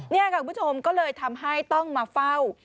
นี่ค่ะคุณผู้ชมก็เลยทำให้ต้องมาเฝ้า